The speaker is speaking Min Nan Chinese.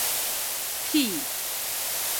庀